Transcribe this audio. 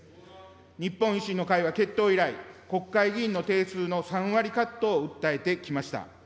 日本維新の会は結党以来、国会議員の定数の３割カットを訴えてきました。